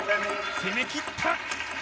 攻めきった！